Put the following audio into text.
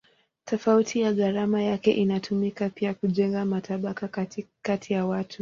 Tofauti ya gharama yake inatumika pia kujenga matabaka kati ya watu.